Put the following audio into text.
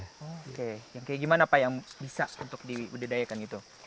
oke yang kayak gimana pak yang bisa untuk dibudidayakan gitu